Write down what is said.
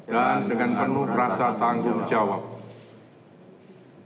dan dengan penuh rasa tanggung jawab